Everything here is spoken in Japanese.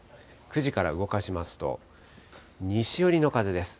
９時から動かしますと、西寄りの風です。